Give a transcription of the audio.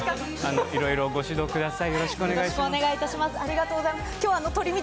いろいろご指導ください。